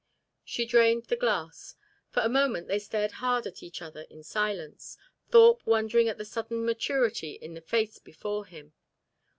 She drained the glass. For a moment they stared hard at each other in silence, Thorpe wondering at the sudden maturity in the face before him.